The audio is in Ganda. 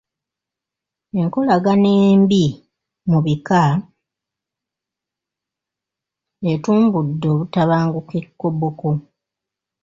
Enkolagana embi mu bika etumbudde obutabanguko e Koboko.